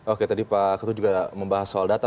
oke tadi pak ketut juga membahas soal data